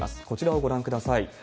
こちらをご覧ください。